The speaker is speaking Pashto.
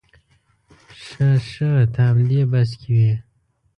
ښه ښه ته همدې بس کې وې.